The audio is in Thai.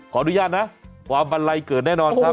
อนุญาตนะความบันไลเกิดแน่นอนครับ